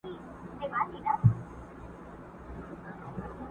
د کونړ په سیند کي پورته یکه زار د جاله وان کې،